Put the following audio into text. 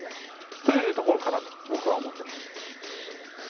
というところかなと僕は思ってます。